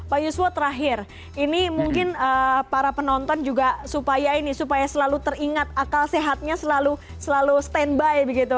pak yuswo terakhir ini mungkin para penonton juga supaya ini supaya selalu teringat akal sehatnya selalu standby begitu